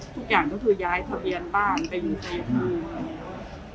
ทุกอย่างก็ก็จะย้ายทะเบียนบ้านไปยุงไทยพื้น